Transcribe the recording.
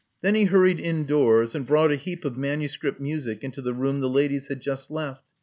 Then he hurried indoors, and brought a heap of manuscript music into the room the ladies had just left.